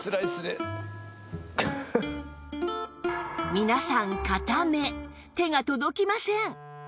皆さん硬め手が届きません